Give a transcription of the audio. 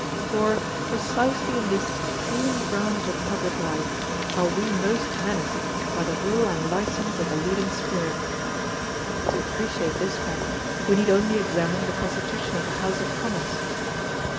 For, precisely in this supreme branch of the public life are we most menaced by the rule and license of the leading spirit. To appreciate this fact, we need only examine the Constitution of the House of Commons.